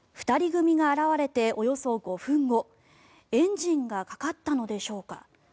２人組が現れておよそ５分後エンジンがかかったのでしょうか